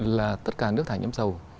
là tất cả nước thải nhiễm dầu